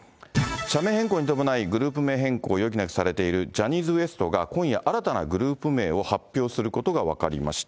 社名変更に伴い、グループ名変更を余儀なくされているジャニーズＷＥＳＴが、今夜、新たなグループ名を発表することが分かりました。